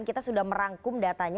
kita sudah merangkum datanya